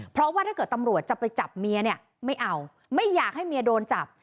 เพราะว่าถ้าเกิดตำรวจจะไปจับเมียเนี่ยไม่เอาไม่อยากให้เมียโดนจับ